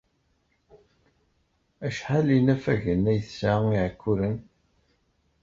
Acḥal n yinafagen ay tesɛa Iɛekkuren?